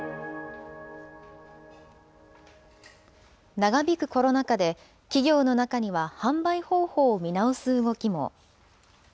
長引くコロナ禍で、企業の中には販売方法を見直す動きも。